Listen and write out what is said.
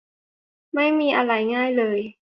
ไม่มีอะไรง่ายเลย